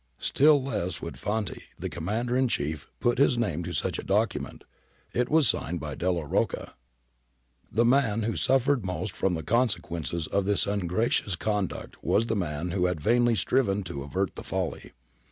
Still less would Fanti, the commander in chief, put his name to such a document. It was signed by Delia Rocca.^ The man who suffered most from the consequences of this ungracious conduct was the man who had vainly striven to avert the folly.